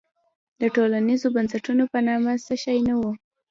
د ټولنیزو بنسټونو په نامه څه شی نه وو.